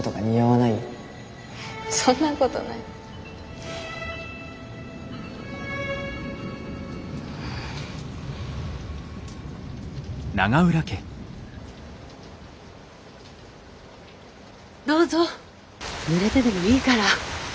ぬれてでもいいから中入って。